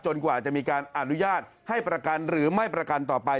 กว่าจะมีการอนุญาตให้ประกันหรือไม่ประกันต่อไป